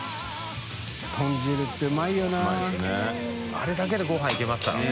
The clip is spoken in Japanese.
あれだけでごはんいけますからね。